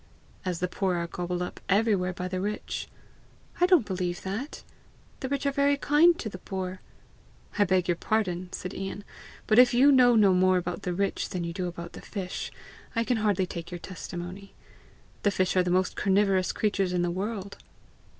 "As the poor are gobbled up everywhere by the rich!" "I don't believe that. The rich are very kind to the poor." "I beg your pardon," said Ian, "but if you know no more about the rich than you do about the fish, I can hardly take your testimony. The fish are the most carnivorous creatures in the world."